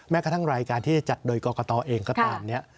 กระทั่งรายการที่จะจัดโดยกรกตเองก็ตามเนี่ย